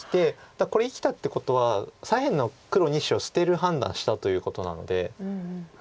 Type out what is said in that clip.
これ生きたってことは左辺の黒２子を捨てる判断したということなので。